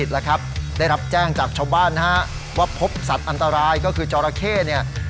ได้รับแจ้งจากช้อบ้านฮะว่าพบสัตว์อันตรายก็คือจอละเข้เนี่ย